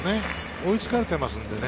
追いつかれていますんでね。